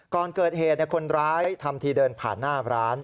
ก่อนเกิดเหตุคนร้ายทำทีเดินผ่านหน้าร้าน